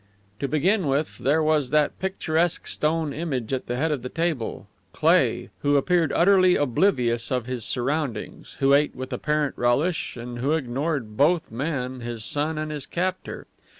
To begin with, there was that picturesque stone image at the head of the table Cleigh who appeared utterly oblivious of his surroundings, who ate with apparent relish, and who ignored both men, his son and his captor.